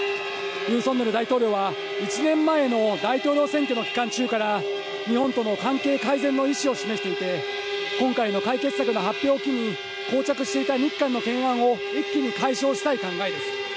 ユン・ソンニョル大統領は１年前の大統領選挙の期間中から日本との関係改善の意思を示していて、今回の解決策の発表を機に膠着してた日韓の懸案を一気に解消したい考えです。